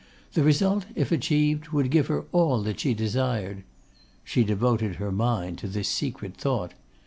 The result, if achieved, would give her all that she desired. She devoted her mind to this secret thought.